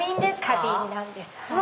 花瓶なんです。